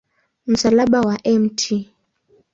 Msalaba wa Mt.